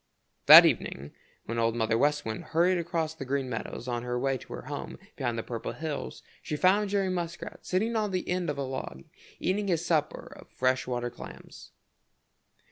That evening, when Old Mother West Wind hurried across the Green Meadows on her way to her home behind the Purple Hills, she found Jerry Muskrat sitting on the end of a log eating his supper of fresh water clams.